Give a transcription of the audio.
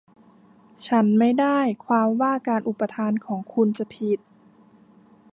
ฉันไม่ได้ความว่าการอุปทานของคุณจะผิด